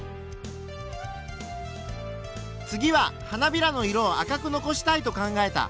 次は花びらの色を赤く残したいと考えた。